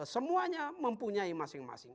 semuanya mempunyai masing masing